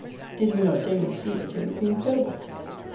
Did we not daily see it, it would be incredible.